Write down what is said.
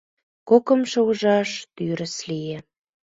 Кокымшо ужаш тӱрыс лие.